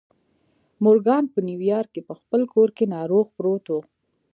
مورګان په نيويارک کې په خپل کور کې ناروغ پروت و.